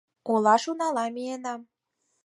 Олаш унала миенам.